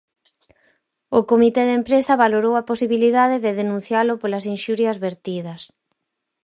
O Comité de empresa valorou a posibilidade de denuncialo polas inxurias vertidas.